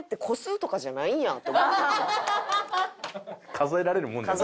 数えられるものじゃない？